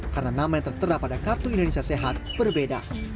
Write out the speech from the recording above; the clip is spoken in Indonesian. karena nama yang tertera pada kartu indonesia sehat berbeda